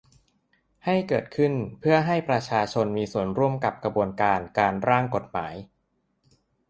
ให้เกิดขึ้นเพื่อให้ประชาชนมีส่วนร่วมกับกระบวนการการร่างกฎหมาย